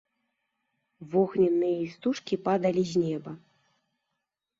Вогненныя істужкі падалі з неба.